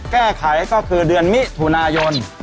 แก้ไขก็คือเดือนมิถุนายน